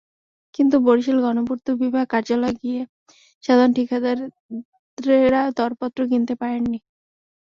কিন্তু বরিশাল গণপূর্ত বিভাগ কার্যালয়ে গিয়ে সাধারণ ঠিকাদারেরা দরপত্র কিনতে পারেননি।